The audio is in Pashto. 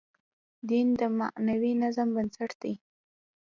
دین د معنوي نظم بنسټ دی.